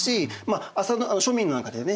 あ庶民の中ではね